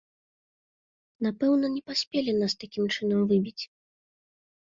Напэўна, не паспелі нас такім чынам выбіць.